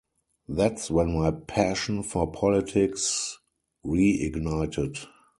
That's when my passion for politics reignited.